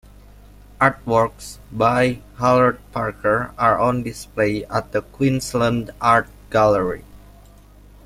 Artworks by Harold Parker are on display at the Queensland Art Gallery.